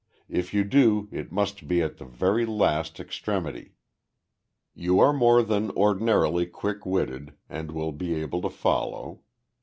If you do, it must be at the very last extremity. You are more than ordinarily quick witted, and will be able to follow.